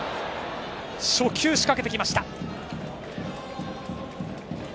初球、仕掛けてきました。